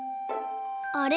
あれ？